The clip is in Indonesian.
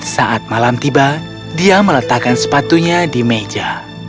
saat malam tiba dia meletakkan sepatunya di meja